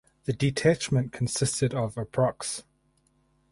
The detachment consisted of approx.